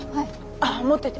ああ持ってて。